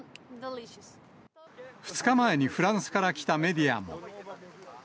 ２日前にフランスから来たメディアも。